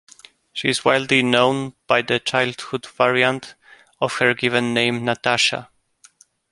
She is widely known by the childhood variant of her given name, "Natasha".